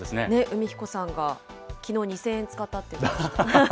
海彦さんがきのう２０００円使ったって言ってました。